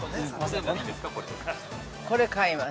これ買います。